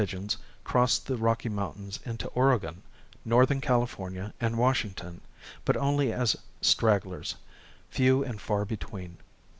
A few bold pigeons crossed the Rocky Mountains into Oregon, northern California and Washington, but only as "stragglers," few and far between.